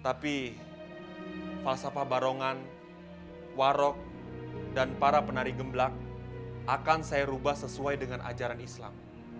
tapi falsafah barongan warok dan para penari gemblak akan saya rubah sesuai dengan ajaran islam